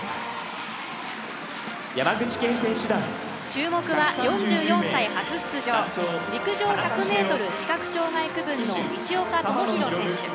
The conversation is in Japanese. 注目は、４４歳初出場陸上１００ｍ視覚障害区分の市岡智浩選手。